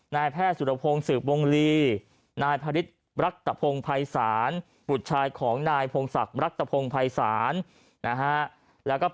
นายแพทย์สุรพงศ์สื่อบงรีนายภริษฐ์ปรักตภงภัยศาล